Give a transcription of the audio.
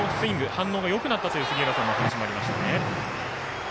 反応がよくなったという杉浦さんのお話もありました。